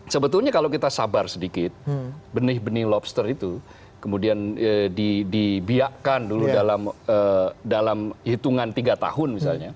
sebetulnya kalau kita sabar sedikit benih benih lobster itu kemudian dibiakkan dulu dalam hitungan tiga tahun misalnya